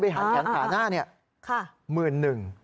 มืนนึง